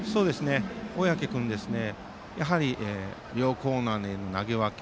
小宅君、やはり両コーナーへの投げ分け。